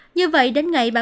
như vậy đến ngày